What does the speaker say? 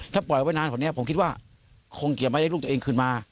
ถ้าปล่อยไว้นานกว่านี้ผมคิดว่าคงจะไม่ได้ลูกตัวเองขึ้นมา